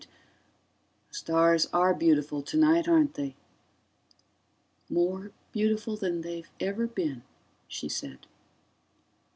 The stars are beautiful tonight, aren't they." "More beautiful than they've ever been," she said.